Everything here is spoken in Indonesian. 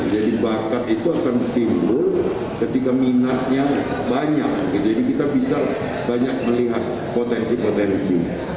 jadi bakat itu akan timbul ketika minatnya banyak jadi kita bisa banyak melihat potensi potensi